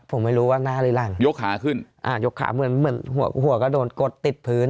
ผมไม่รู้ว่าหน้าหรือหลังยกขาขึ้นอ่ายกขาเหมือนเหมือนหัวหัวก็โดนกดติดพื้น